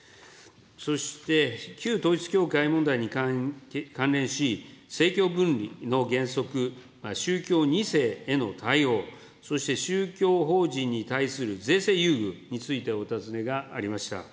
そして、旧統一教会問題に関連し、政教分離の原則、宗教２世への対応、そして宗教法人に対する税制優遇についてお尋ねがありました。